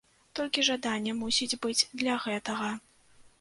Толькі жаданне мусіць быць для гэтага.